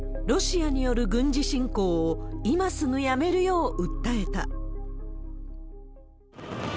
ロシアによる軍事侵攻を今すぐやめるよう訴えた。